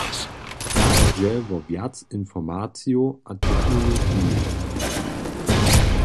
Tak dźe wo wjac inowacijow a technologijow.